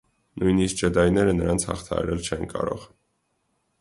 Նույնիսկ ջեդայները նրանց հաղթահարել չեն կարող։